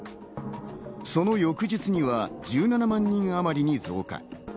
その翌日には１７万人あまりに増加。